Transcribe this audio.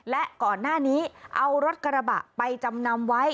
และก่อนหน้านี้เอารถกระบะไปจำนำไว้